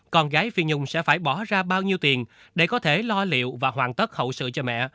con gái phi nhung sẽ phải bỏ ra bao nhiêu tiền để có thể lo liệu và hoàn tất hậu sự cho mẹ